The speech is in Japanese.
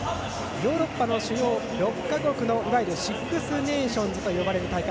ヨーロッパの主要６か国のいわゆるシックス・ネーションズといわれる大会